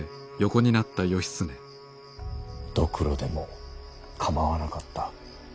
ドクロでも構わなかった。